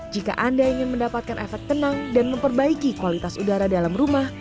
jika anda ingin mendapatkan efek tenang dan memperbaiki kualitas udara dalam rumah